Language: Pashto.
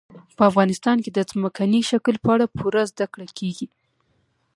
په افغانستان کې د ځمکني شکل په اړه پوره زده کړه کېږي.